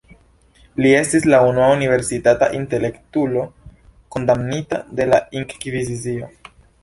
Li estis la unua universitata intelektulo kondamnita de la Inkvizicio.